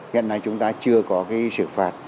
hiện nay chúng ta chưa có cái xử phạt